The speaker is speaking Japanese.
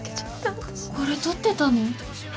これ撮ってたの？